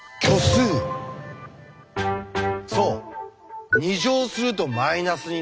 そう。